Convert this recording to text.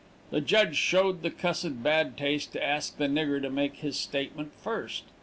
"'The judge showed the cussed bad taste to ask the nigger to make his statement first.